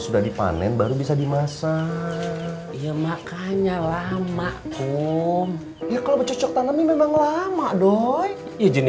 sudah dipanen baru bisa dimasak ya makanya lama kum ya kalau bercocok tanamnya memang lama doi ijin